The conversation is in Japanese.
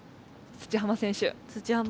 土濱選手。